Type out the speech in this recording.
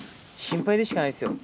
心配でしかないですよ。